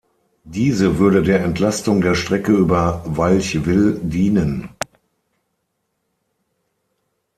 Diese würde der Entlastung der Strecke über Walchwil dienen.